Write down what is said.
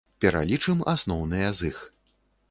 Пералічым асноўныя з іх.